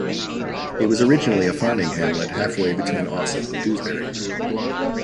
It was originally a farming hamlet, half-way between Ossett and Dewsbury.